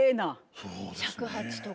尺八とか。